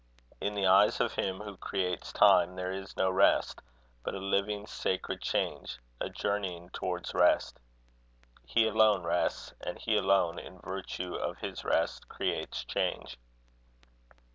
In the eyes of Him who creates time, there is no rest, but a living sacred change, a journeying towards rest. He alone rests; and he alone, in virtue of his rest, creates change.